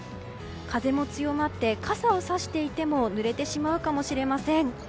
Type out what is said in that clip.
風も強まって、傘をさしていても濡れてしまうかもしれません。